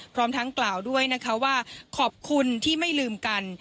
พร้อมทั้งกล่าวด้วยนะคะว่าขอบคุณที่ไม่ลืมกัน